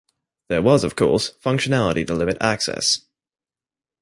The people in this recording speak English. There was, of course, functionality to limit access.